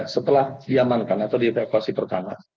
setelah diamankan atau dievakuasi pertama